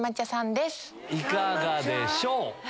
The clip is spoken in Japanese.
いかがでしょう？